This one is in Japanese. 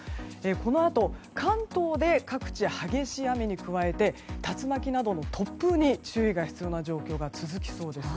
このあと関東で各地、激しい雨に加えて竜巻などの突風に注意が必要な状況が続きそうです。